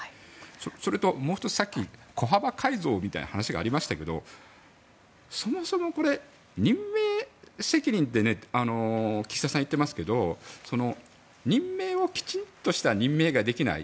それと、もう１つさっき小幅改造みたいな話がありましたけどそもそもこれ、任命責任って岸田さんは言っていますがきちんとした任命ができない。